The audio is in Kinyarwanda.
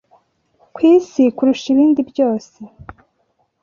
Ku isi kurusha ibindi byose